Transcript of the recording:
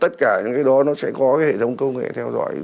tất cả những cái đó nó sẽ có cái hệ thống công nghệ theo dõi